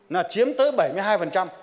là chiếm tới bảy mươi hai